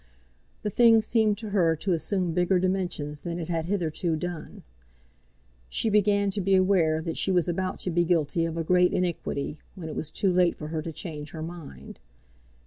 The thing seemed to her to assume bigger dimensions than it had hitherto done. She began to be aware that she was about to be guilty of a great iniquity, when it was too late for her to change her mind.